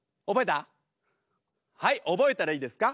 はい覚えたらいいですか？